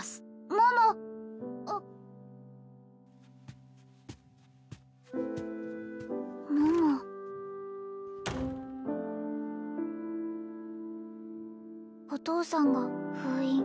桃あっ桃お父さんが封印？